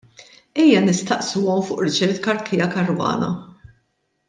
Ejja nistaqsuhom fuq Richard Cachia Caruana.